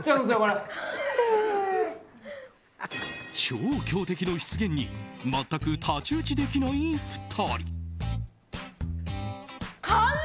超強敵の出現に全く太刀打ちできない２人。